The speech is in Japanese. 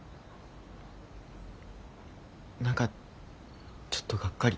何かちょっとがっかり。